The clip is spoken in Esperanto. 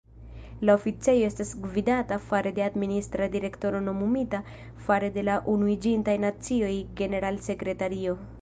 La oficejo estas gvidata fare de Administra direktoro nomumita fare de la Unuiĝintaj Nacioj-generalsekretario.